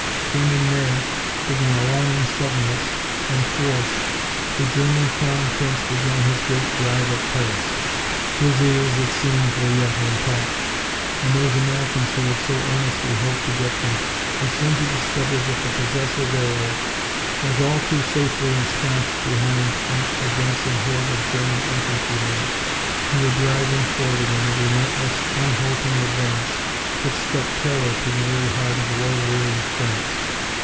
Then in May, with alarming suddenness and force, the German Crown Prince began his great drive at Paris. His ears, it seemed, were yet intact, and those Americans who had so earnestly hoped to get them were soon to discover that the possessor thereof was all too safely ensconced behind an advancing horde of German infantrymen who were driving forward in a relentless, unhalting advance that struck terror to the very heart of war weary France.